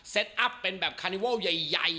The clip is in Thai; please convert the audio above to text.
เซตอัพเป็นแบบคาร์นิวอลใหญ่